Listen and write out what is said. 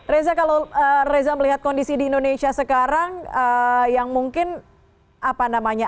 reza kalau reza melihat kondisi di indonesia sekarang yang mungkin apa namanya